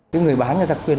các người bán người ta khuyên